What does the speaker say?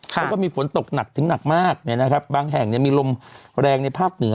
แล้วก็มีฝนตกหนักถึงหนักมากบางแห่งมีลมแรงในภาคเหนือ